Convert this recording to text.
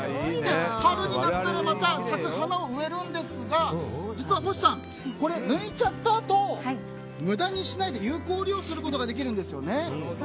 春になったらまた咲く花を植えるんですが実は星さん、抜いちゃったあと無駄にしないで有効利用することができるんですよね。